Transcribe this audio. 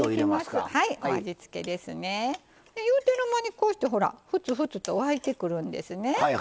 言うてる間にこうしてほらふつふつと沸いてくるんですね。